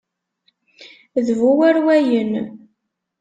D bu warwayen.